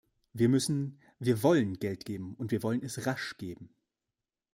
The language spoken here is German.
Wir müssen, wir wollen Geld geben, und wir wollen es rasch geben.